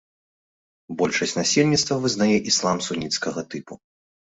Большасць насельніцтва вызнае іслам суніцкага тыпу.